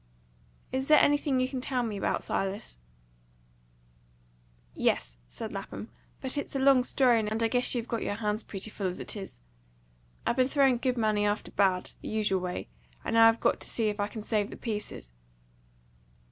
"Is it anything you can tell me about, Silas?" "Yes," said Lapham. "But it's a long story, and I guess you've got your hands pretty full as it is. I've been throwing good money after bad, the usual way, and now I've got to see if I can save the pieces."